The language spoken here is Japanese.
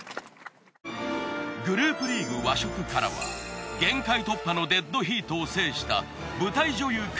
グループリーグ和食からは限界突破のデッドヒートを制した舞台女優